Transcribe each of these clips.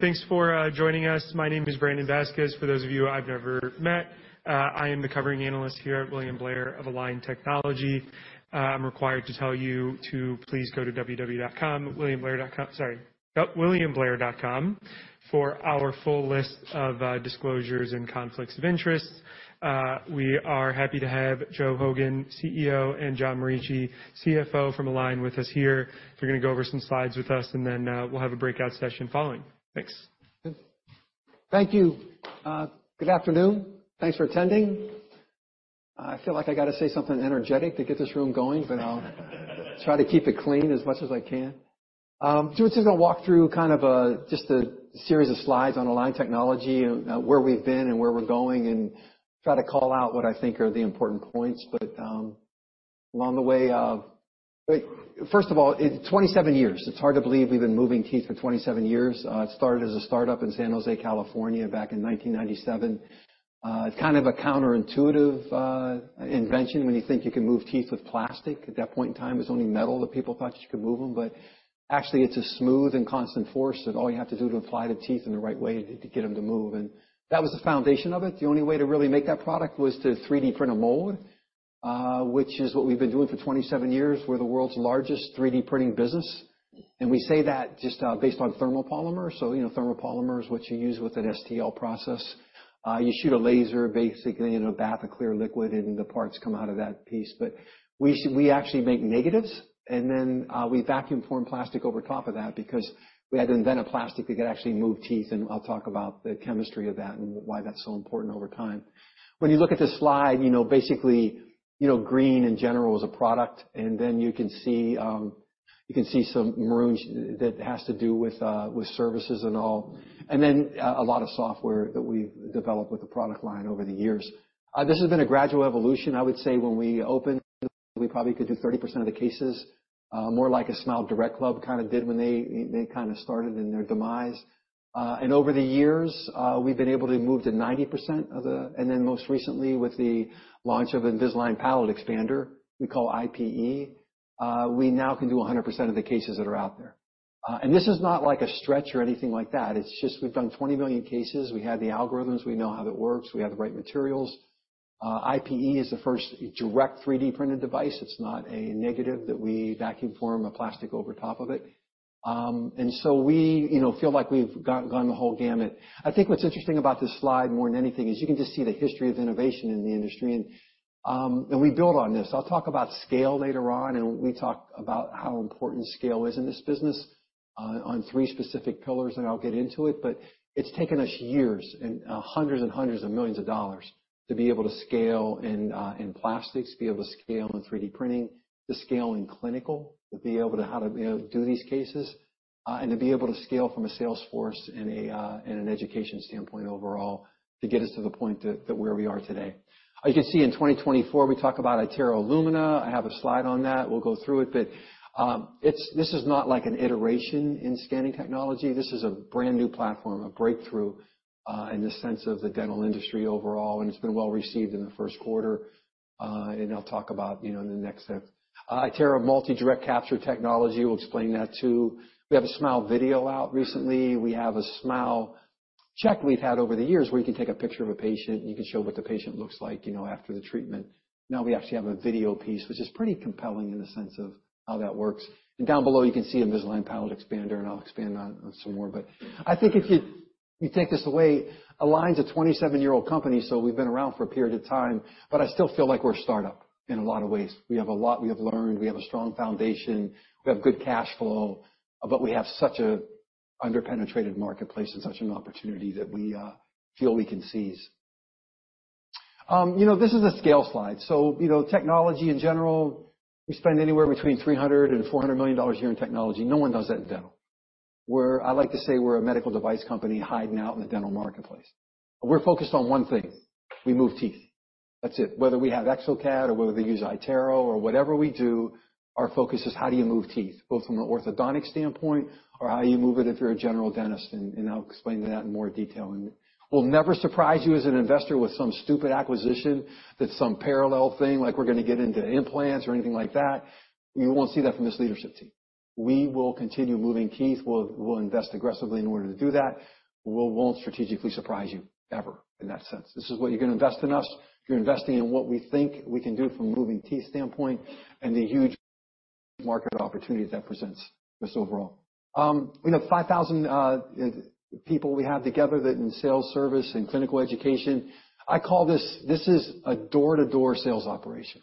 Thanks for joining us. My name is Brandon Vazquez. For those of you I've never met, I am the covering analyst here at William Blair of Align Technology. I'm required to tell you to please go to williamblair.com for our full list of disclosures and conflicts of interest. We are happy to have Joe Hogan, CEO, and John Morici, CFO, from Align with us here. They're gonna go over some slides with us, and then we'll have a breakout session following. Thanks. Thank you. Good afternoon. Thanks for attending. I feel like I got to say something energetic to get this room going, but I'll try to keep it clean as much as I can. So we're just gonna walk through kind of a just a series of slides on Align Technology, and where we've been and where we're going, and try to call out what I think are the important points. But along the way... First of all, it's 27 years. It's hard to believe we've been moving teeth for 27 years. It started as a startup in San Jose, California, back in 1997. Kind of a counterintuitive invention when you think you can move teeth with plastic. At that point in time, it was only metal that people thought you could move them, but actually, it's a smooth and constant force, that all you have to do to apply the teeth in the right way to get them to move. And that was the foundation of it. The only way to really make that product was to 3D print a mold, which is what we've been doing for 27 years. We're the world's largest 3D printing business, and we say that just, based on thermal polymer. So, you know, thermal polymer is what you use with an STL process. You shoot a laser, basically, in a bath of clear liquid, and the parts come out of that piece. But we actually make negatives, and then we vacuum form plastic over top of that because we had to invent a plastic that could actually move teeth, and I'll talk about the chemistry of that and why that's so important over time. When you look at the slide, you know, basically, you know, green in general is a product, and then you can see you can see some maroon that has to do with with services and all, and then a lot of software that we've developed with the product line over the years. This has been a gradual evolution. I would say when we opened, we probably could do 30% of the cases, more like a SmileDirectClub kind of did when they they kind of started in their demise. Over the years, we've been able to move to 90% of the... And then most recently, with the launch of Invisalign Palatal Expander, we call IPE, we now can do 100% of the cases that are out there. And this is not like a stretch or anything like that. It's just we've done 20 million cases. We have the algorithms. We know how it works. We have the right materials. IPE is the first direct 3D printed device. It's not a negative that we vacuum form a plastic over top of it. And so we feel like we've gone the whole gamut. I think what's interesting about this slide, more than anything, is you can just see the history of innovation in the industry, and we build on this. I'll talk about scale later on, and we talk about how important scale is in this business, on three specific pillars, and I'll get into it, but it's taken us years and hundreds and hundreds of millions of dollars to be able to scale in plastics, to be able to scale in 3D printing, to scale in clinical, to be able to how to, you know, do these cases, and to be able to scale from a sales force and a and an education standpoint overall to get us to the point that that where we are today. As you can see, in 2024, we talk about iTero Lumina. I have a slide on that. We'll go through it, but, it's, this is not like an iteration in scanning technology. This is a brand new platform, a breakthrough, in the sense of the dental industry overall, and it's been well received in the first quarter. I'll talk about, you know, in the next step. iTero Multi-Direct Capture Technology, we'll explain that, too. We have a Smile Video out recently. We have a Smile Check we've had over the years, where you can take a picture of a patient, and you can show what the patient looks like, you know, after the treatment. Now we actually have a video piece, which is pretty compelling in the sense of how that works. And down below, you can see Invisalign Palatal Expander, and I'll expand on that some more. But I think if you take this away, Align's a 27-year-old company, so we've been around for a period of time, but I still feel like we're a startup in a lot of ways. We have a lot we have learned. We have a strong foundation. We have good cash flow, but we have such an underpenetrated marketplace and such an opportunity that we feel we can seize. You know, this is a scale slide. So, you know, technology in general, we spend anywhere between $300-$400 million a year in technology. No one does that in dental. We're. I like to say we're a medical device company hiding out in the dental marketplace. We're focused on one thing: We move teeth. That's it. Whether we have exocad or whether we use iTero or whatever we do, our focus is: How do you move teeth, both from an orthodontic standpoint or how you move it if you're a general dentist, and I'll explain that in more detail. We'll never surprise you as an investor with some stupid acquisition, that's some parallel thing, like we're gonna get into implants or anything like that. You won't see that from this leadership team. We will continue moving teeth. We'll invest aggressively in order to do that. We won't strategically surprise you, ever, in that sense. This is what you're gonna invest in us. You're investing in what we think we can do from a moving teeth standpoint and the huge market opportunity that presents just overall. We have 5,000 people we have together that in sales, service, and clinical education. I call this a door-to-door sales operation.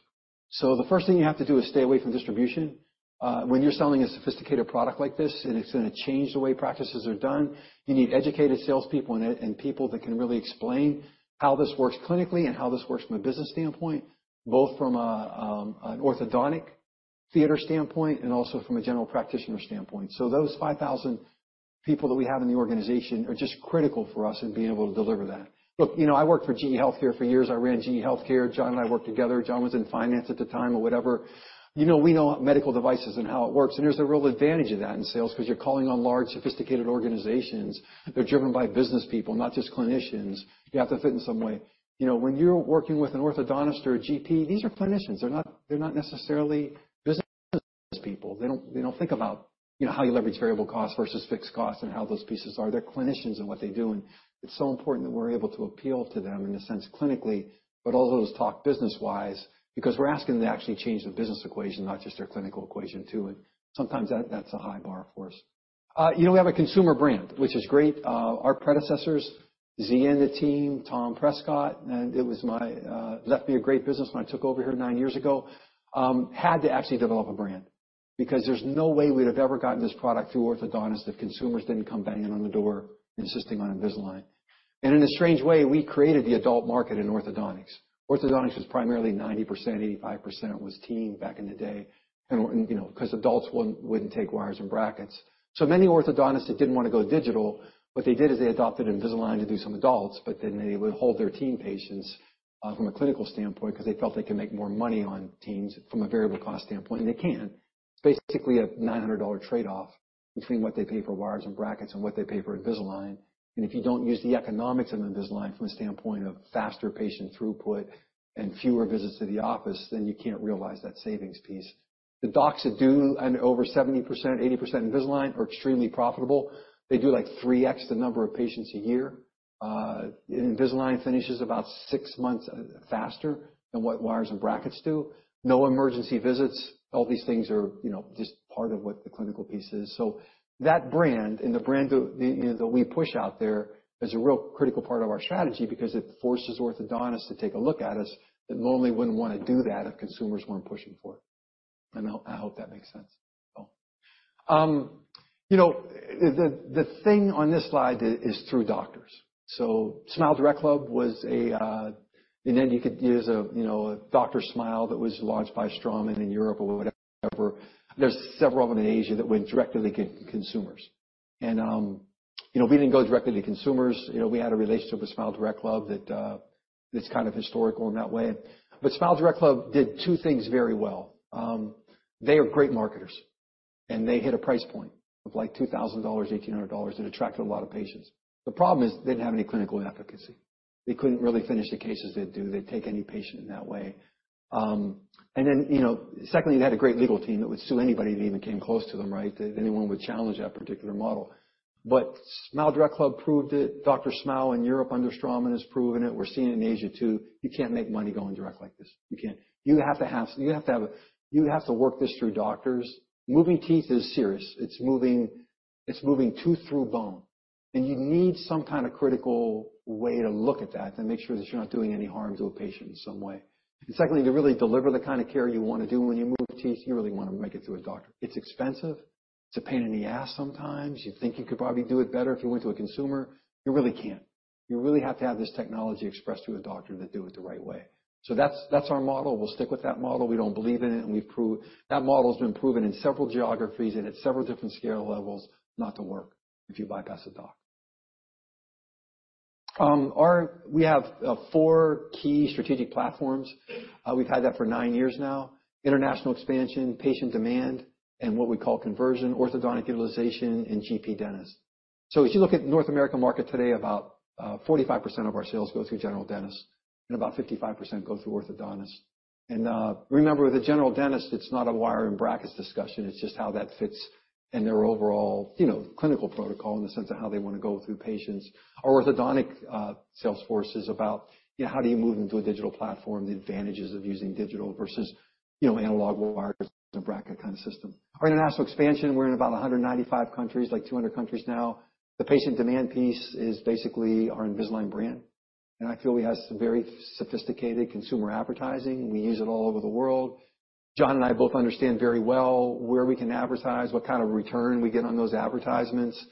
So the first thing you have to do is stay away from distribution. When you're selling a sophisticated product like this, and it's gonna change the way practices are done, you need educated salespeople and people that can really explain how this works clinically and how this works from a business standpoint, both from an orthodontic standpoint and also from a general practitioner standpoint. So those 5,000 people that we have in the organization are just critical for us in being able to deliver that. Look, you know, I worked for GE Healthcare for years. I ran GE Healthcare. John and I worked together. John was in finance at the time or whatever. You know, we know medical devices and how it works, and there's a real advantage of that in sales because you're calling on large, sophisticated organizations. They're driven by business people, not just clinicians. You have to fit in some way. You know, when you're working with an orthodontist or a GP, these are clinicians. They're not necessarily business people. They don't think about, you know, how you leverage variable costs versus fixed costs and how those pieces are. They're clinicians in what they do, and it's so important that we're able to appeal to them in a sense, clinically, but also talk business-wise, because we're asking them to actually change the business equation, not just their clinical equation, too. And sometimes that's a high bar for us. You know, we have a consumer brand, which is great. Our predecessors, Z and the team, Tom Prescott, and it was my left me a great business when I took over here 9 years ago, had to actually develop a brand, because there's no way we'd have ever gotten this product through orthodontists if consumers didn't come banging on the door, insisting on Invisalign. In a strange way, we created the adult market in orthodontics. Orthodontics was primarily 90%, 85% was teen back in the day, and, you know, 'cause adults wouldn't, wouldn't take wires and brackets. So many orthodontists that didn't want to go digital, what they did is they adopted Invisalign to do some adults, but then they would hold their teen patients from a clinical standpoint, 'cause they felt they could make more money on teens from a variable cost standpoint, and they can. It's basically a $900 trade-off between what they pay for wires and brackets and what they pay for Invisalign. And if you don't use the economics of Invisalign from a standpoint of faster patient throughput and fewer visits to the office, then you can't realize that savings piece. The docs that do, and over 70%, 80% Invisalign, are extremely profitable. They do, like, 3x the number of patients a year. Invisalign finishes about 6 months faster than what wires and brackets do. No emergency visits. All these things are, you know, just part of what the clinical piece is. So that brand, and the brand that, you know, that we push out there, is a real critical part of our strategy because it forces orthodontists to take a look at us, that normally wouldn't want to do that if consumers weren't pushing for it. And I hope that makes sense. You know, the thing on this slide is through doctors. So SmileDirectClub was a. And then you could use a, you know, a DrSmile that was launched by Straumann in Europe or whatever. There's several of them in Asia that went directly to consumers. And, you know, we didn't go directly to consumers. You know, we had a relationship with SmileDirectClub that, that's kind of historical in that way. But SmileDirectClub did two things very well. They are great marketers, and they hit a price point of, like, $2,000, $1,800, that attracted a lot of patients. The problem is, they didn't have any clinical efficacy. They couldn't really finish the cases they'd do. They'd take any patient in that way. And then, you know, secondly, they had a great legal team that would sue anybody that even came close to them, right, that anyone would challenge that particular model. But SmileDirectClub proved it. DrSmile in Europe under Straumann has proven it. We're seeing it in Asia, too. You can't make money going direct like this. You can't. You have to have, you have to have a-- You have to work this through doctors. Moving teeth is serious. It's moving, it's moving tooth through bone, and you need some kind of critical way to look at that to make sure that you're not doing any harm to a patient in some way. And secondly, to really deliver the kind of care you want to do when you move teeth, you really want to make it through a doctor. It's expensive. It's a pain in the ass sometimes. You think you could probably do it better if you went to a consumer. You really can't. You really have to have this technology expressed through a doctor to do it the right way. So that's, that's our model. We'll stick with that model. We don't believe in it, and we've proved... That model has been proven in several geographies and at several different scale levels, not to work, if you bypass a doc. We have four key strategic platforms. We've had that for nine years now. International expansion, patient demand, and what we call conversion, orthodontic utilization, and GP dentists. So if you look at the North American market today, about 45% of our sales go through general dentists, and about 55% go through orthodontists. Remember, with a general dentist, it's not a wire and brackets discussion, it's just how that fits in their overall, you know, clinical protocol in the sense of how they want to go through patients. Our orthodontic sales force is about, you know, how do you move them to a digital platform, the advantages of using digital versus, you know, analog wires and bracket kind of system. Our international expansion, we're in about 195 countries, like 200 countries now. The patient demand piece is basically our Invisalign brand, and I feel we have some very sophisticated consumer advertising, and we use it all over the world. John and I both understand very well where we can advertise, what kind of return we get on those advertisements.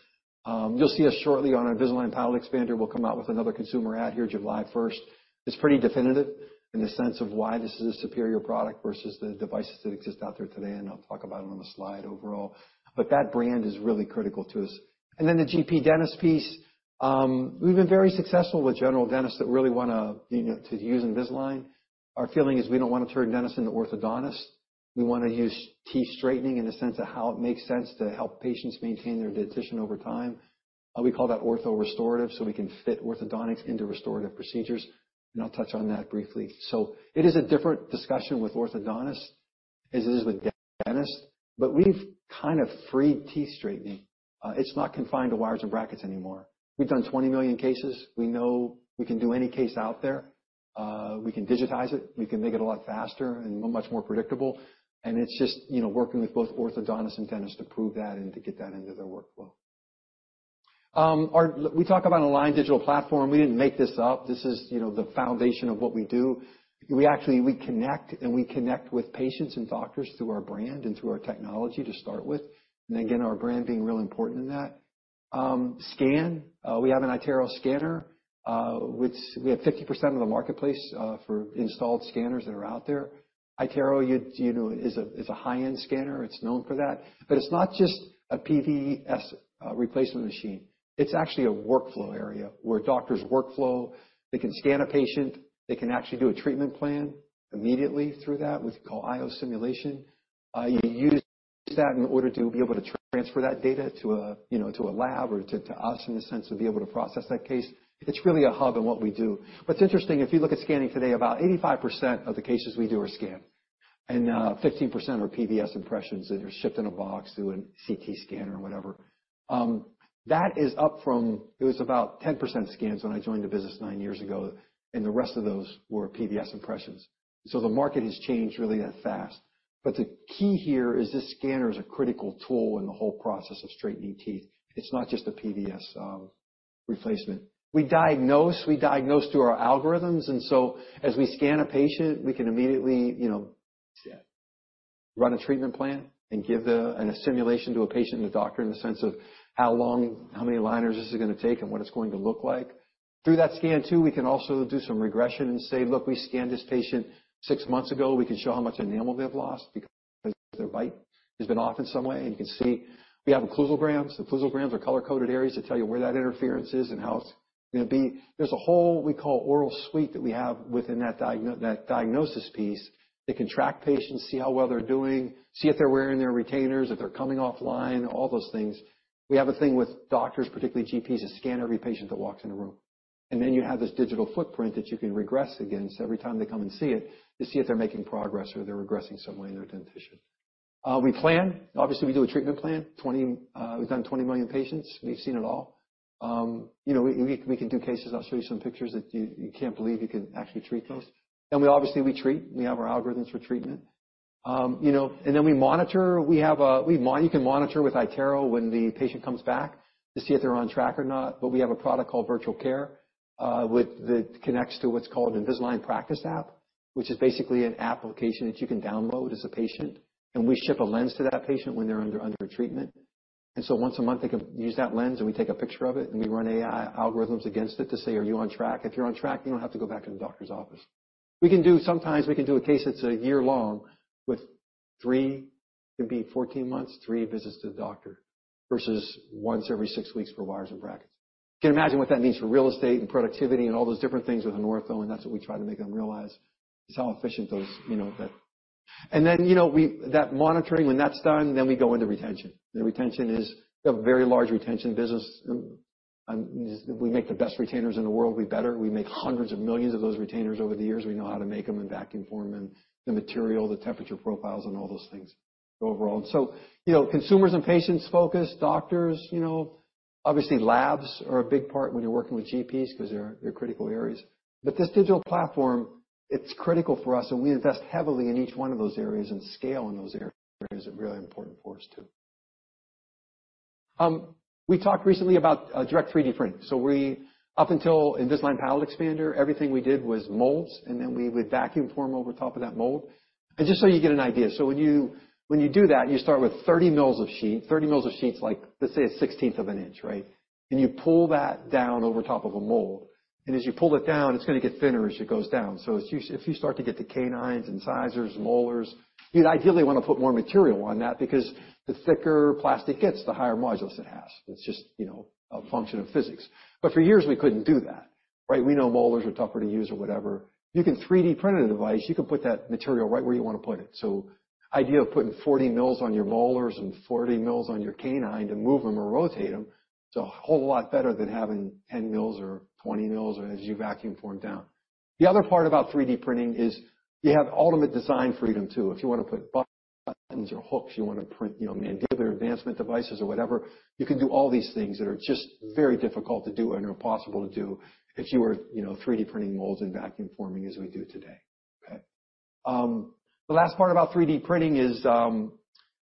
You'll see us shortly on Invisalign Palatal Expander. We'll come out with another consumer ad here, July first. It's pretty definitive in the sense of why this is a superior product versus the devices that exist out there today, and I'll talk about it on the slide overall. But that brand is really critical to us. And then the GP dentist piece, we've been very successful with general dentists that really wanna, you know, to use Invisalign. Our feeling is we don't want to turn dentists into orthodontists. We wanna use teeth straightening in the sense of how it makes sense to help patients maintain their dentition over time. We call that ortho-restorative, so we can fit orthodontics into restorative procedures, and I'll touch on that briefly. It is a different discussion with orthodontists as it is with dentists, but we've kind of freed teeth straightening. It's not confined to wires and brackets anymore. We've done 20 million cases. We know we can do any case out there. We can digitize it. We can make it a lot faster and much more predictable. And it's just, you know, working with both orthodontists and dentists to prove that and to get that into their workflow. We talk about Align Digital Platform. We didn't make this up. This is, you know, the foundation of what we do. We actually, we connect, and we connect with patients and doctors through our brand and through our technology to start with, and again, our brand being really important in that. We have an iTero scanner, which we have 50% of the marketplace for installed scanners that are out there. iTero, you know, is a high-end scanner. It's known for that. But it's not just a PVS replacement machine. It's actually a workflow area, where doctors' workflow, they can scan a patient, they can actually do a treatment plan immediately through that, which we call IO simulation. That in order to be able to transfer that data to a lab or to us, you know, in a sense, to be able to process that case. It's really a hub in what we do. What's interesting, if you look at scanning today, about 85% of the cases we do are scanned, and, 15% are PVS impressions, that are shipped in a box to a CT scanner or whatever. That is up from, it was about 10% scans when I joined the business nine years ago, and the rest of those were PVS impressions. So the market has changed really that fast. But the key here is this scanner is a critical tool in the whole process of straightening teeth. It's not just a PVS replacement. We diagnose, we diagnose through our algorithms, and so as we scan a patient, we can immediately, you know, run a treatment plan and give a simulation to a patient and a doctor, in the sense of how long, how many aligners this is gonna take and what it's going to look like. Through that scan, too, we can also do some regression and say, Look, we scanned this patient six months ago. We can show how much enamel they've lost because their bite has been off in some way, and you can see. We have occlusograms. Occlusograms are color-coded areas that tell you where that interference is and how it's gonna be. There's a whole, we call Oral Suite, that we have within that diagnosis piece, that can track patients, see how well they're doing, see if they're wearing their retainers, if they're coming offline, all those things. We have a thing with doctors, particularly GPs, to scan every patient that walks in the room. And then you have this digital footprint that you can regress against every time they come and see it, to see if they're making progress or they're regressing some way in their dentition. We plan. Obviously, we do a treatment plan. We've done 20 million patients, we've seen it all. You know, we can do cases, I'll show you some pictures that you can't believe you can actually treat those. We obviously treat, we have our algorithms for treatment. You know, and then we monitor. You can monitor with iTero when the patient comes back, to see if they're on track or not. But we have a product called Virtual Care that connects to what's called Invisalign Practice App, which is basically an application that you can download as a patient, and we ship a lens to that patient when they're under a treatment. And so once a month, they can use that lens, and we take a picture of it, and we run AI algorithms against it to say, Are you on track? If you're on track, you don't have to go back to the doctor's office. Sometimes we can do a case that's a year long with three, it can be 14 months, three visits to the doctor, versus once every six weeks for wires and brackets. You can imagine what that means for real estate and productivity and all those different things with an ortho, and that's what we try to make them realize, is how efficient those, you know, that. And then, you know, we, that monitoring, when that's done, then we go into retention. The retention is a very large retention business, and we make the best retainers in the world. We better. We make hundreds of millions of those retainers over the years. We know how to make them and vacuum form them, the material, the temperature profiles, and all those things overall. So, you know, consumers and patients focus, doctors, you know. Obviously, labs are a big part when you're working with GPs because they're critical areas. But this digital platform, it's critical for us, and we invest heavily in each one of those areas, and scale in those areas is really important for us, too. We talked recently about direct 3D printing. So we, up until Invisalign Palatal Expander, everything we did was molds, and then we would vacuum form over top of that mold. And just so you get an idea, so when you, when you do that, you start with 30 mils of sheet. 30 mils of sheets, like, let's say a 16th of an inch, right? And you pull that down over top of a mold, and as you pull it down, it's gonna get thinner as it goes down. So if you start to get the canines and incisors, molars, you'd ideally want to put more material on that because the thicker plastic gets, the higher modulus it has. It's just, you know, a function of physics. But for years, we couldn't do that, right? We know molars are tougher to move or whatever. You can 3D print a device, you can put that material right where you want to put it. So the idea of putting 40 mils on your molars and 40 mils on your canine to move them or rotate them, it's a whole lot better than having 10 mils or 20 mils or as you vacuum form down. The other part about 3D printing is you have ultimate design freedom, too. If you want to put buttons or hooks, you want to print, you know, Mandibular Advancement devices or whatever, you can do all these things that are just very difficult to do and are impossible to do if you were, you know, 3D printing molds and vacuum forming as we do today. Okay? The last part about 3D printing is,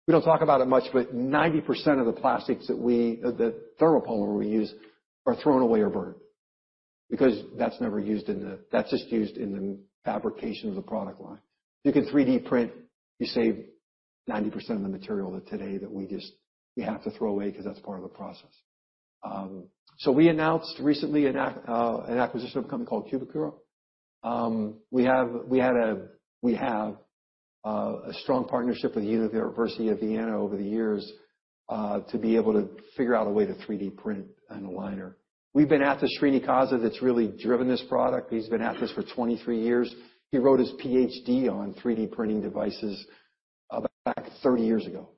we don't talk about it much, but 90% of the plastics that we... the thermoplastic we use, are thrown away or burned. Because that's never used in the-- that's just used in the fabrication of the product line. You can 3D print, you save 90% of the material that today that we just, we have to throw away because that's part of the process. So we announced recently an acquisition of a company called Cubicure. We have a strong partnership with the University of Vienna over the years to be able to figure out a way to 3D print an aligner. We've been at this, Srini Kaza, that's really driven this product. He's been at this for 23 years. He wrote his PhD on 3D printing devices about back 30 years ago.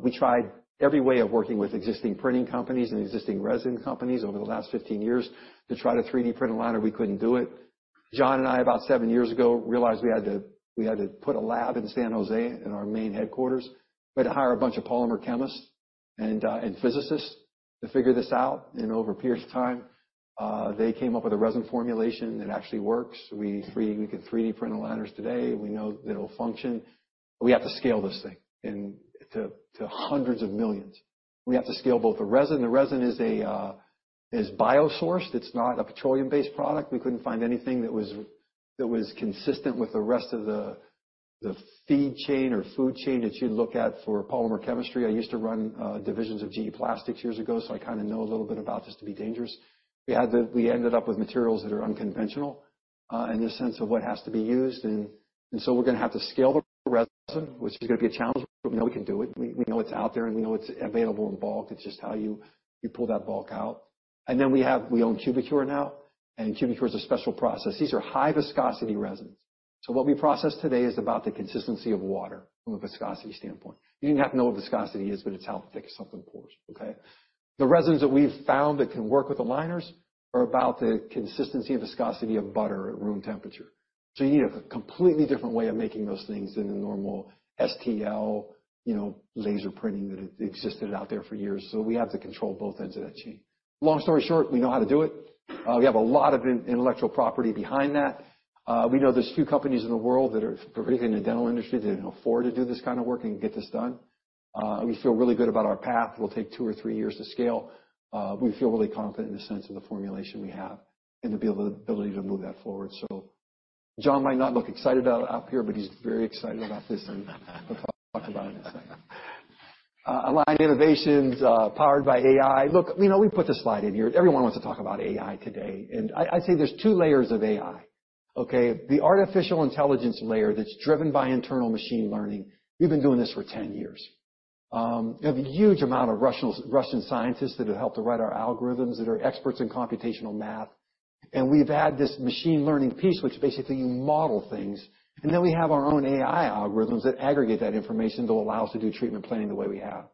We tried every way of working with existing printing companies and existing resin companies over the last 15 years to try to 3D print an aligner. We couldn't do it. John and I, about 7 years ago, realized we had to, we had to put a lab in San Jose, in our main headquarters. We had to hire a bunch of polymer chemists and physicists to figure this out, and over a period of time, they came up with a resin formulation that actually works. We can 3D print the aligners today. We know that it'll function. We have to scale this thing into hundreds of millions. We have to scale both the resin, the resin is biosourced. It's not a petroleum-based product. We couldn't find anything that was consistent with the rest of the feed chain or food chain that you'd look at for polymer chemistry. I used to run divisions of GE Plastics years ago, so I kinda know a little bit about this to be dangerous. We ended up with materials that are unconventional in the sense of what has to be used. And so we're gonna have to scale the resin, which is gonna be a challenge, but we know we can do it. We know it's out there, and we know it's available in bulk. It's just how you pull that bulk out. And then we have we own Cubicure now and Cubicure is a special process. These are high-viscosity resins, so what we process today is about the consistency of water from a viscosity standpoint. You didn't have to know what viscosity is, but it's how thick something pours, okay? The resins that we've found that can work with aligners are about the consistency and viscosity of butter at room temperature. So you need a completely different way of making those things than the normal STL, you know, laser printing that had existed out there for years. So we have to control both ends of that chain. Long story short, we know how to do it. We have a lot of intellectual property behind that. We know there's few companies in the world that are, particularly in the dental industry, that can afford to do this kind of work and get this done. We feel really good about our path. It'll take two or three years to scale. We feel really confident in the sense of the formulation we have and the ability to move that forward. So John might not look excited about it up here, but he's very excited about this, and we'll talk about it in a second. Align innovations powered by AI. Look, you know, we put this slide in here. Everyone wants to talk about AI today, and I'd say there's two layers of AI, okay? The artificial intelligence layer that's driven by internal machine learning, we've been doing this for 10 years. We have a huge amount of Russian scientists that have helped to write our algorithms, that are experts in computational math. And we've had this machine learning piece, which basically, you model things, and then we have our own AI algorithms that aggregate that information to allow us to do treatment planning the way we have.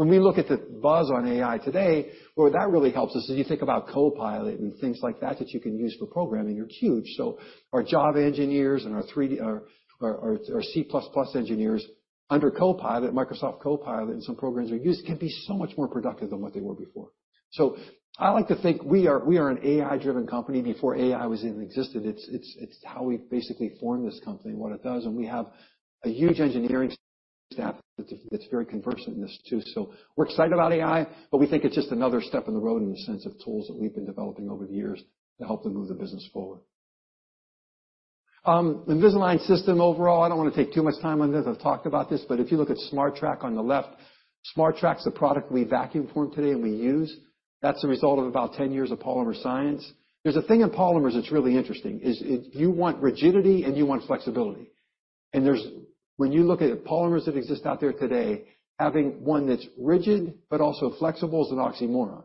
When we look at the buzz on AI today, boy, that really helps us. As you think about Copilot and things like that, that you can use for programming, are huge. So our Java engineers and our 3D and our C++ engineers under Copilot, Microsoft Copilot, and some programs we use can be so much more productive than what they were before. So I like to think we are an AI-driven company before AI was even existed. It's how we basically formed this company and what it does, and we have a huge engineering staff that's very conversant in this, too. So we're excited about AI, but we think it's just another step in the road in the sense of tools that we've been developing over the years to help to move the business forward. Invisalign System overall, I don't want to take too much time on this. I've talked about this, but if you look at SmartTrack on the left, SmartTrack's a product we vacuum form today and we use. That's a result of about 10 years of polymer science. There's a thing in polymers that's really interesting, is it, you want rigidity, and you want flexibility. And there's-- When you look at polymers that exist out there today, having one that's rigid but also flexible is an oxymoron.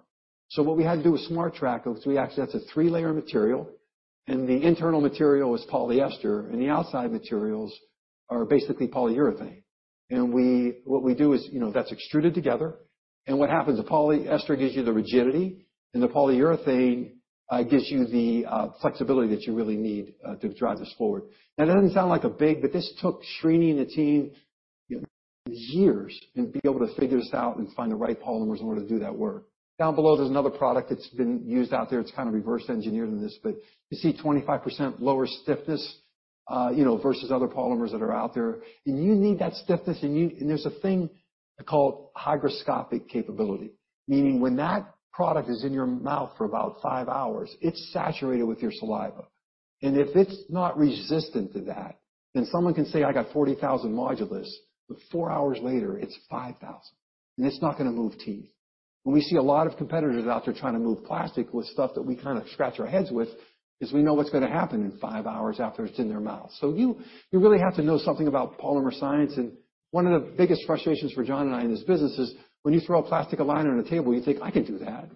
So what we had to do with SmartTrack, is we actually, that's a three-layer material, and the internal material is polyester, and the outside materials are basically polyurethane. And we, what we do is, you know, that's extruded together, and what happens, the polyester gives you the rigidity, and the polyurethane gives you the flexibility that you really need to drive this forward. Now, that doesn't sound like a big, but this took Srini and the team years, and be able to figure this out and find the right polymers in order to do that work. Down below, there's another product that's been used out there. It's kind of reverse engineered in this, but you see 25% lower stiffness, you know, versus other polymers that are out there. And you need that stiffness, and there's a thing called hygroscopic capability, meaning when that product is in your mouth for about five hours, it's saturated with your saliva. And if it's not resistant to that, then someone can say, "I got 40,000 modulus," but four hours later, it's 5,000, and it's not going to move teeth. When we see a lot of competitors out there trying to move plastic with stuff that we kind of scratch our heads with, is we know what's going to happen in five hours after it's in their mouth. So you really have to know something about polymer science, and one of the biggest frustrations for John and I in this business is, when you throw a plastic aligner on a table, you think, "I can do that."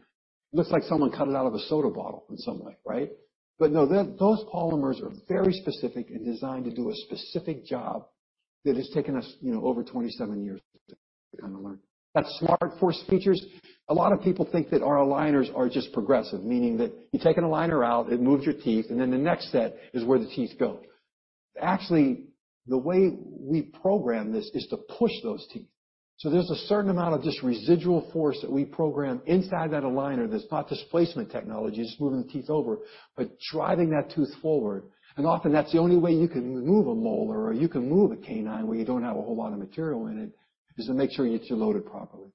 Looks like someone cut it out of a soda bottle in some way, right? But no, those polymers are very specific and designed to do a specific job that has taken us, you know, over 27 years to kind of learn. That's SmartForce features. A lot of people think that our aligners are just progressive, meaning that you take an aligner out, it moves your teeth, and then the next set is where the teeth go. Actually, the way we program this is to push those teeth. So there's a certain amount of just residual force that we program inside that aligner that's not displacement technology, it's moving the teeth over, but driving that tooth forward. And often, that's the only way you can move a molar or you can move a canine, where you don't have a whole lot of material in it, is to make sure your teeth are loaded properly.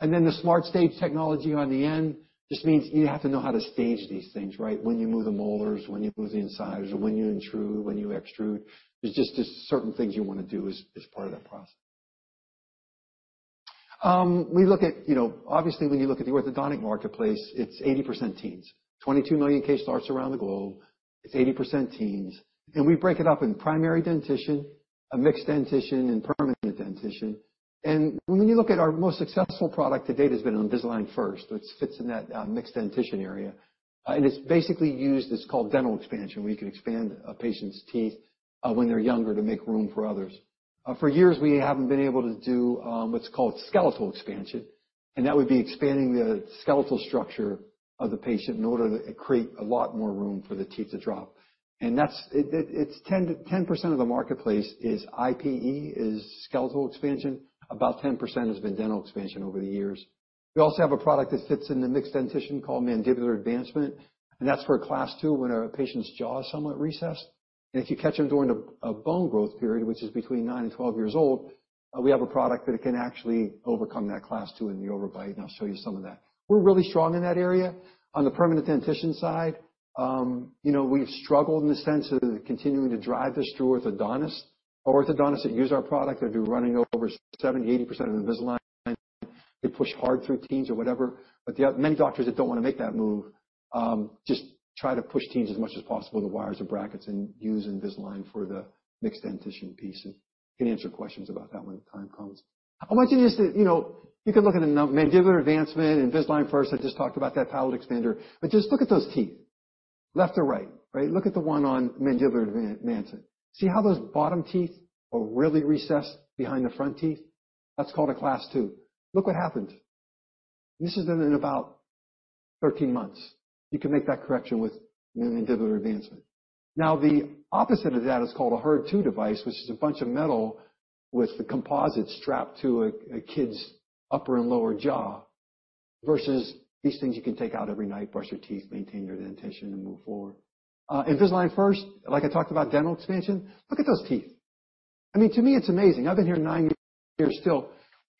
And then the SmartStage technology on the end just means you have to know how to stage these things, right? When you move the molars, when you move the incisors, or when you intrude, when you extrude, there's just certain things you want to do as part of that process. We look at, you know, obviously, when you look at the orthodontic marketplace, it's 80% teens. 22 million case starts around the globe. It's 80% teens. We break it up in primary dentition, a mixed dentition, and permanent dentition. When you look at our most successful product to date, has been Invisalign First, which fits in that mixed dentition area. It's basically used. It's called dental expansion, where you can expand a patient's teeth when they're younger, to make room for others. For years, we haven't been able to do what's called skeletal expansion, and that would be expanding the skeletal structure of the patient in order to create a lot more room for the teeth to drop. That's it. It's 10% of the marketplace is IPE, is skeletal expansion. About 10% has been dental expansion over the years. We also have a product that fits in the mixed dentition called Mandibular Advancement, and that's for Class II, when a patient's jaw is somewhat recessed. And if you catch them during a bone growth period, which is between 9 and 12 years old, we have a product that can actually overcome that Class II in the overbite, and I'll show you some of that. We're really strong in that area. On the permanent dentition side, you know, we've struggled in the sense of continuing to drive this through orthodontists. Orthodontists that use our product, they'll be running over 70%-80% of Invisalign. They push hard through teens or whatever, but you have many doctors that don't want to make that move, just try to push teens as much as possible with the wires or brackets and use Invisalign for the mixed dentition piece and-... Can answer questions about that when the time comes. I want you just to, you know, you can look at the Mandibular Advancement, Invisalign First, I just talked about that palate expander. But just look at those teeth, left to right, right? Look at the one on Mandibular Advancement. See how those bottom teeth are really recessed behind the front teeth? That's called a Class II. Look what happened. This is done in about 13 months. You can make that correction with a Mandibular Advancement. Now, the opposite of that is called a Herbst appliance, which is a bunch of metal with a composite strapped to a kid's upper and lower jaw, versus these things you can take out every night, brush your teeth, maintain your dentition, and move forward. Invisalign First, like I talked about, dental expansion. Look at those teeth. I mean, to me, it's amazing. I've been here 9 years, still.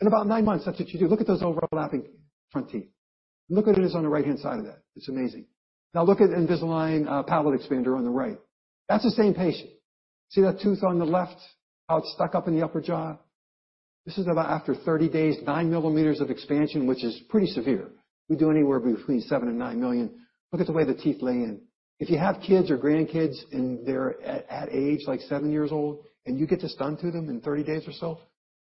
In about 9 months, that's what you do. Look at those overlapping front teeth. Look at it. It's on the right-hand side of that. It's amazing. Now look at Invisalign Palatal Expander on the right. That's the same patient. See that tooth on the left, how it's stuck up in the upper jaw? This is about after 30 days, 9 millimeters of expansion, which is pretty severe. We do anywhere between 7 and 9 millimeters. Look at the way the teeth lay in. If you have kids or grandkids, and they're at, at age, like 7 years old, and you get this done to them in 30 days or so,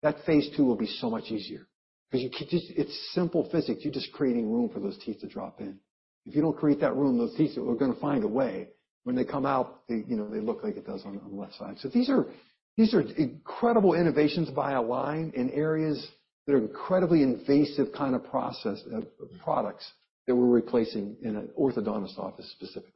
that phase two will be so much easier. Because you just—it's simple physics. You're just creating room for those teeth to drop in. If you don't create that room, those teeth are gonna find a way. When they come out, they, you know, they look like it does on the left side. So these are, these are incredible innovations by Align in areas that are incredibly invasive kind of process, products that we're replacing in an orthodontist office, specifically.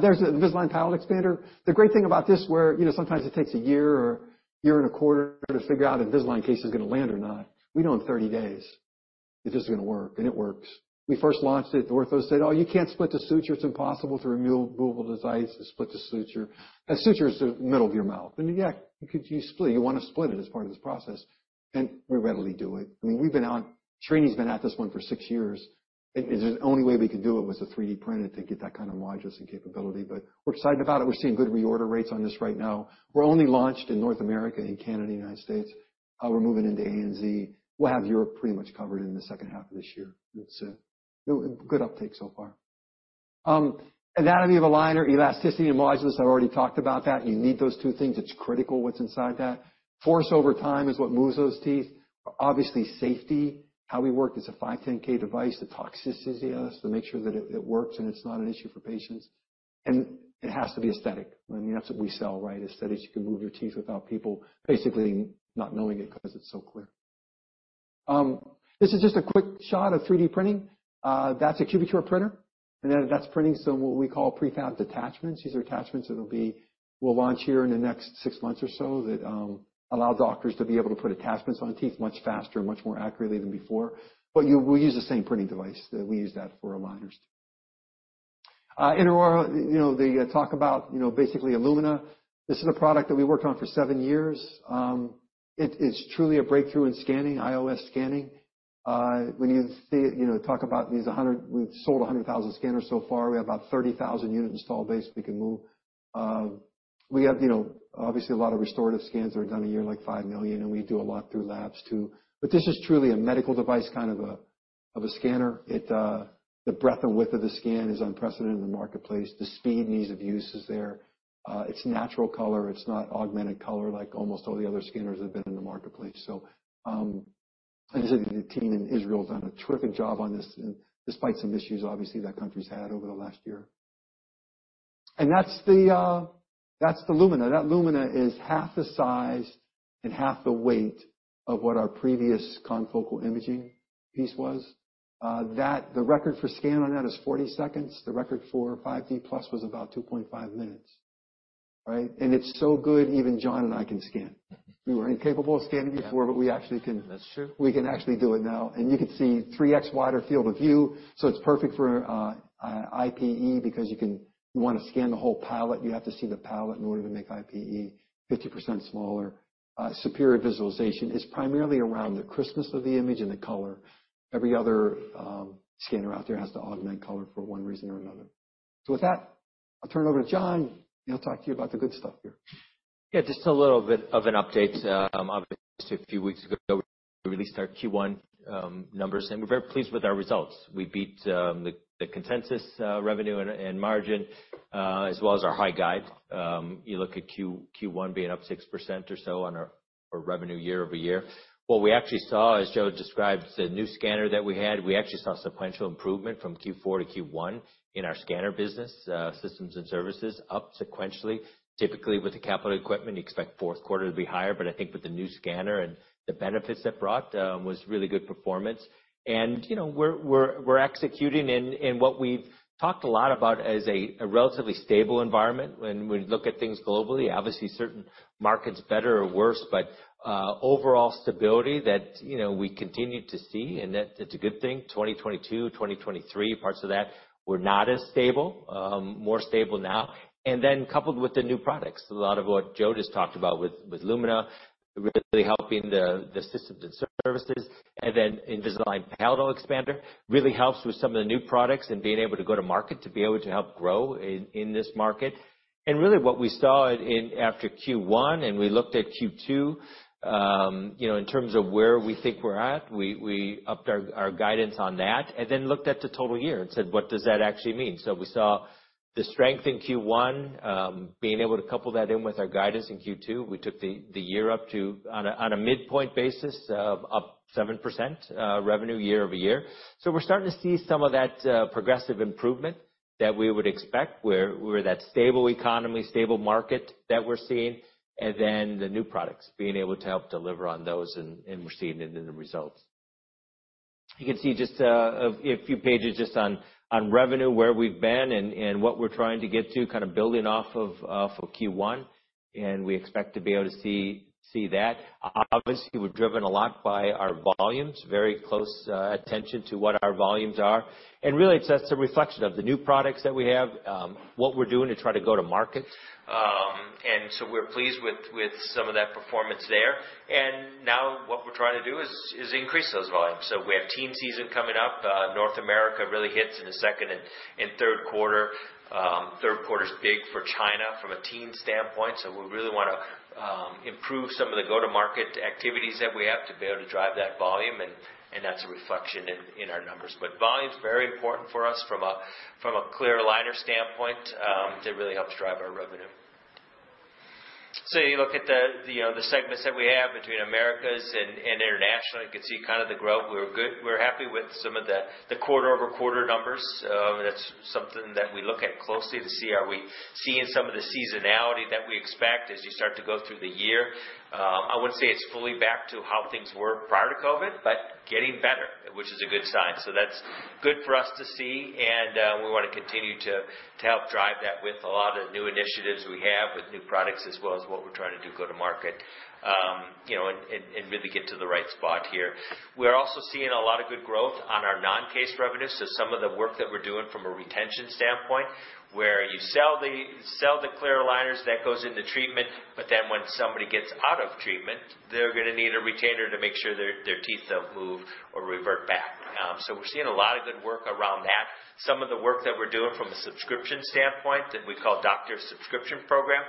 There's the Invisalign Palatal Expander. The great thing about this, where, you know, sometimes it takes a year or year and a quarter to figure out an Invisalign case is going to land or not, we know in 30 days if this is going to work, and it works. We first launched it, the ortho said, "Oh, you can't split the suture. It's impossible to remove, removal device to split the suture." A suture is the middle of your mouth, and, yeah, you could, you split it. You want to split it as part of this process, and we readily do it. I mean, we've been on-- Srini's been at this one for six years. It is-- The only way we could do it was to 3D print it to get that kind of modulus and capability, but we're excited about it. We're seeing good reorder rates on this right now. We're only launched in North America, in Canada, United States. We're moving into ANZ. We'll have Europe pretty much covered in the second half of this year. It's a good uptake so far. Anatomy of aligner, elasticity and modulus, I've already talked about that. You need those two things. It's critical what's inside that. Force over time is what moves those teeth. Obviously, safety. How we work as a 510(k) device, the toxicity to us, to make sure that it works and it's not an issue for patients. It has to be aesthetic. I mean, that's what we sell, right? Aesthetics. You can move your teeth without people basically not knowing it because it's so clear. This is just a quick shot of 3D printing. That's a Cubicure printer, and then that's printing some what we call prefabbed attachments. These are attachments that we'll launch here in the next six months or so that allow doctors to be able to put attachments on teeth much faster and much more accurately than before. We use the same printing device that we use for aligners. Intraoral, you know, they talk about, you know, basically Lumina. This is a product that we worked on for seven years. It is truly a breakthrough in scanning, intraoral scanning. When you see, you know, talk about these 100,000—we've sold 100,000 scanners so far. We have about 30,000-unit install base we can move. We have, you know, obviously, a lot of restorative scans are done a year, like 5 million, and we do a lot through labs, too. But this is truly a medical device, kind of a scanner. It, the breadth and width of the scan is unprecedented in the marketplace. The speed and ease of use is there. It's natural color. It's not augmented color, like almost all the other scanners have been in the marketplace. So, the team in Israel has done a terrific job on this, and despite some issues, obviously, that country's had over the last year. And that's the Lumina. That Lumina is half the size and half the weight of what our previous confocal imaging piece was. The record for scan on that is 40 seconds. The record for 5D Plus was about 2.5 minutes, right? And it's so good, even John and I can scan. We were incapable of scanning before- Yeah. but we actually can. That's true. We can actually do it now, and you can see 3x wider field of view, so it's perfect for IPE, because you can, you want to scan the whole palate. You have to see the palate in order to make IPE 50% smaller. Superior visualization. It's primarily around the crispness of the image and the color. Every other scanner out there has to augment color for one reason or another. So with that, I'll turn it over to John, and he'll talk to you about the good stuff here. Yeah, just a little bit of an update. Obviously, a few weeks ago, we released our Q1 numbers, and we're very pleased with our results. We beat the consensus revenue and margin as well as our high guide. You look at Q1 being up 6% or so on our revenue year over year. What we actually saw, as Joe describes, the new scanner that we had, we actually saw sequential improvement from Q4 to Q1 in our scanner business systems and services, up sequentially. Typically, with the capital equipment, you expect fourth quarter to be higher, but I think with the new scanner and the benefits it brought was really good performance. You know, we're executing in what we've talked a lot about as a relatively stable environment when we look at things globally. Obviously, certain markets better or worse, but overall stability that, you know, we continue to see, and that it's a good thing. 2022, 2023, parts of that were not as stable. More stable now. And then coupled with the new products, a lot of what Joe just talked about with Lumina, really helping the systems and services, and then Invisalign Palatal Expander really helps with some of the new products and being able to go to market to be able to help grow in this market. Really what we saw after Q1, and we looked at Q2, you know, in terms of where we think we're at, we upped our guidance on that, and then looked at the total year and said, What does that actually mean? So, the strength in Q1, being able to couple that in with our guidance in Q2, we took the year up to, on a midpoint basis, up 7%, revenue year-over-year. So we're starting to see some of that progressive improvement that we would expect, where we're that stable economy, stable market that we're seeing, and then the new products, being able to help deliver on those, and we're seeing it in the results. You can see just a few pages just on revenue, where we've been and what we're trying to get to, kind of building off of for Q1, and we expect to be able to see that. Obviously, we're driven a lot by our volumes, very close attention to what our volumes are. Really, it's just a reflection of the new products that we have, what we're doing to try to go to market. And so we're pleased with some of that performance there. Now what we're trying to do is increase those volumes. So we have teen season coming up. North America really hits in the second and third quarter. Third quarter is big for China from a teen standpoint, so we really wanna improve some of the go-to-market activities that we have to be able to drive that volume, and that's a reflection in our numbers. But volume is very important for us from a clear aligner standpoint to really help drive our revenue. So you look at the segments that we have between Americas and internationally, you can see kind of the growth. We're happy with some of the quarter-over-quarter numbers. That's something that we look at closely to see, are we seeing some of the seasonality that we expect as you start to go through the year? I wouldn't say it's fully back to how things were prior to COVID, but getting better, which is a good sign. So that's good for us to see, and we wanna continue to help drive that with a lot of new initiatives we have, with new products, as well as what we're trying to do go-to-market, you know, and really get to the right spot here. We're also seeing a lot of good growth on our non-case revenue, so some of the work that we're doing from a retention standpoint, where you sell the clear aligners that goes into treatment, but then when somebody gets out of treatment, they're gonna need a retainer to make sure their teeth don't move or revert back. So we're seeing a lot of good work around that. Some of the work that we're doing from a subscription standpoint, that we call Doctor Subscription Program,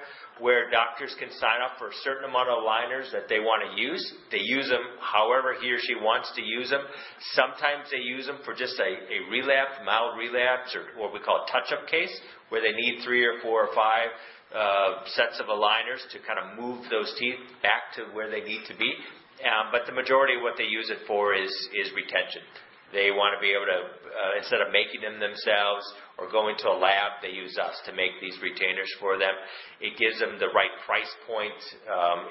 where doctors can sign up for a certain amount of aligners that they wanna use. They use them however he or she wants to use them. Sometimes they use them for just a relapse, mild relapse, or what we call a touch-up case, where they need three or four or five sets of aligners to kind of move those teeth back to where they need to be. But the majority of what they use it for is retention. They wanna be able to, instead of making them themselves or going to a lab, they use us to make these retainers for them. It gives them the right price point.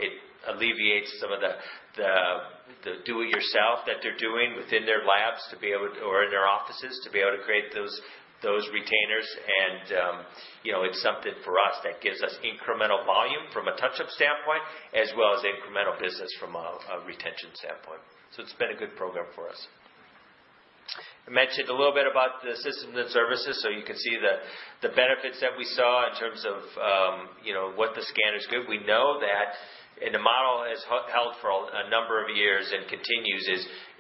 It alleviates some of the do-it-yourself that they're doing within their labs to be able to... Or in their offices, to be able to create those retainers. And, you know, it's something for us that gives us incremental volume from a touch-up standpoint, as well as incremental business from a retention standpoint. So it's been a good program for us. I mentioned a little bit about the systems and services, so you can see the benefits that we saw in terms of, you know, what the scanner's good. We know that, and the model has held for a number of years and continues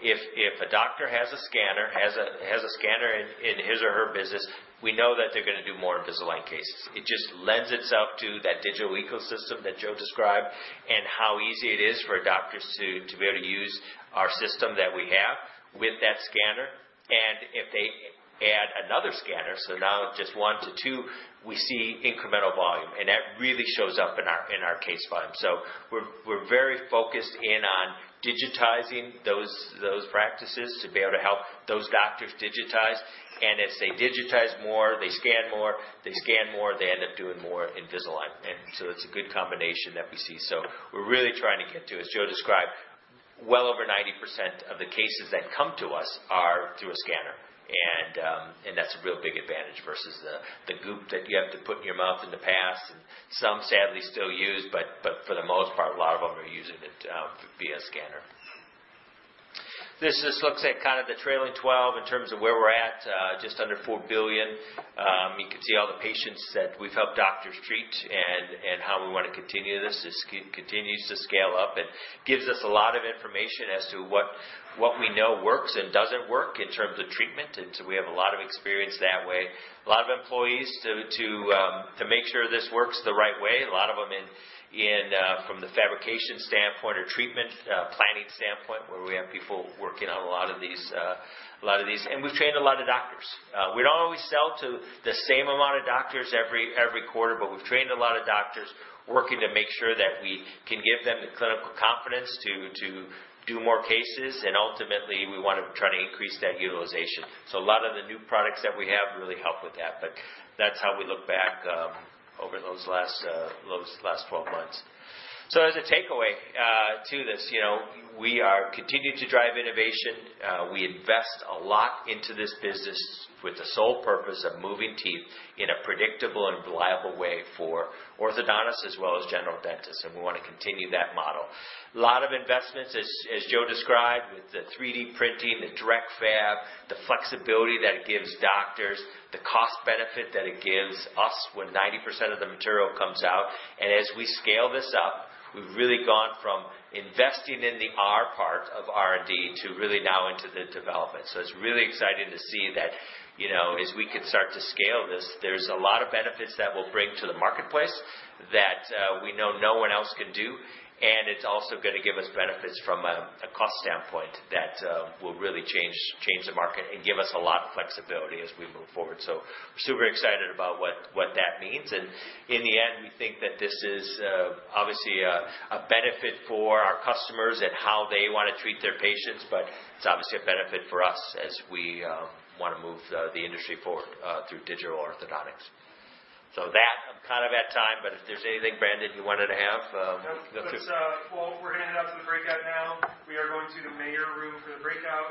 if a doctor has a scanner in his or her business, we know that they're gonna do more Invisalign cases. It just lends itself to that digital ecosystem that Joe described, and how easy it is for doctors to be able to use our system that we have with that scanner. And if they add another scanner, so now just one to two, we see incremental volume, and that really shows up in our case volume. So we're very focused on digitizing those practices to be able to help those doctors digitize. And as they digitize more, they scan more. They scan more, they end up doing more Invisalign. And so it's a good combination that we see. So we're really trying to get to, as Joe described, well over 90% of the cases that come to us are through a scanner. That's a real big advantage versus the goop that you have to put in your mouth in the past, and some sadly still use, but for the most part, a lot of them are using it via scanner. This just looks at kind of the trailing twelve in terms of where we're at, just under $4 billion. You can see all the patients that we've helped doctors treat and how we wanna continue this. This continues to scale up and gives us a lot of information as to what we know works and doesn't work in terms of treatment, and so we have a lot of experience that way. A lot of employees to make sure this works the right way. A lot of them in... From the fabrication standpoint or treatment planning standpoint, where we have people working on a lot of these, a lot of these, and we've trained a lot of doctors. We don't always sell to the same amount of doctors every quarter, but we've trained a lot of doctors, working to make sure that we can give them the clinical confidence to do more cases, and ultimately, we want to try to increase that utilization. So a lot of the new products that we have really help with that, but that's how we look back over those last 12 months. So as a takeaway to this, you know, we are continuing to drive innovation. We invest a lot into this business with the sole purpose of moving teeth in a predictable and reliable way for orthodontists as well as general dentists, and we wanna continue that model. A lot of investments, as Joe described, with the 3D printing, the direct fab, the flexibility that it gives doctors, the cost benefit that it gives us when 90% of the material comes out. And as we scale this up, we've really gone from investing in the R part of R&D, to really now into the development. So it's really exciting to see that, you know, as we can start to scale this, there's a lot of benefits that we'll bring to the marketplace that, we know no one else can do. It's also gonna give us benefits from a cost standpoint that will really change the market and give us a lot of flexibility as we move forward. So we're super excited about what that means. And in the end, we think that this is obviously a benefit for our customers and how they wanna treat their patients, but it's obviously a benefit for us as we wanna move the industry forward through digital orthodontics. So that... I'm kind of at time, but if there's anything, Brandon, you wanted to have - Yep. Let's, we're gonna head out to the breakout now. We are going to the Maher room for the breakout.